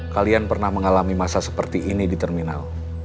kalian pernah mengalami masa seperti ini di terminal